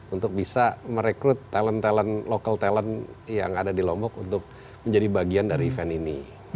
untuk bisa merekrut talent talent local talent yang ada di lombok untuk menjadi bagian dari event ini